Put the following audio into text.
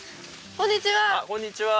こんにちは。